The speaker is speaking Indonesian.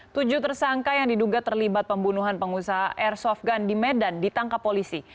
tujuh tersangka yang diduga terlibat pembunuhan pengusaha airsoft gun di medan ditangkap polisi